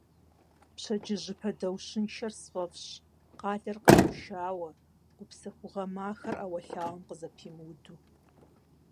Пщэдджыжьыпэ даущыншэр сфӀэфӀщ, къалэр къэмыушауэ, гупсэхугъуэ махэр ӏэуэлъауэм къызэпимыуду.